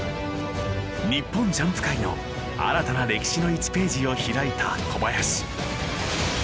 日本ジャンプ界の新たな歴史の１ページを開いた小林。